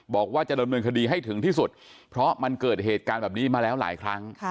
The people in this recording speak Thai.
บอกว่าจะดำเนินคดีให้ถึงที่สุดเพราะมันเกิดเหตุการณ์แบบนี้มาแล้วหลายครั้ง